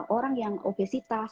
orang yang obesitas